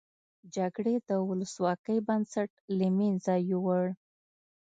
جګړې د ولسواکۍ بنسټ له مینځه یوړ.